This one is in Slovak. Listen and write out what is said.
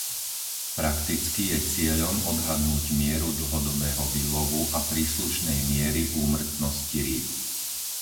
Prakticky je cieľom odhadnúť mieru dlhodobého výlovu a príslušnej miery úmrtnosti rýb.